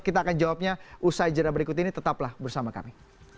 kita akan jawabnya usai jadwal berikut ini tetaplah bersama kami